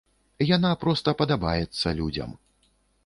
Яна проста падабаецца людзям.